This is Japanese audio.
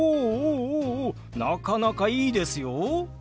おおおなかなかいいですよ。